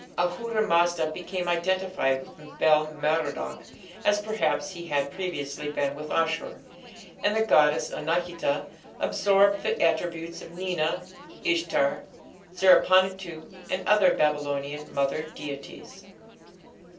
Ahura Mazda became identified with Bel Merodach, as, perhaps, he had previously been with Ashur, and the goddess Anahita absorbed the attributes of Nina, Ishtar, Zerpanituᵐ, and other Babylonian "mother deities".